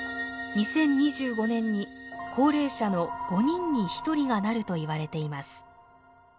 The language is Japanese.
２０２５年に高齢者の５人に１人がなるといわれています。